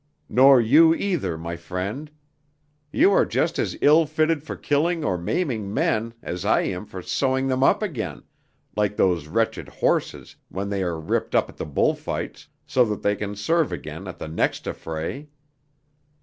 Nor you either, my friend. You are just as ill fitted for killing or maiming men as I am for sewing them up again, like those wretched horses when they are ripped up at the bullfights, so that they can serve again at the next affray.